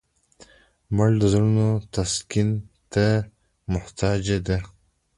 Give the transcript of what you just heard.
مړه د زړونو تسکین ته محتاجه ده